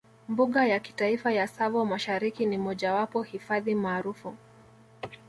Mbuga ya Kitaifa ya Tsavo Mashariki ni mojawapo hifadhi maarufu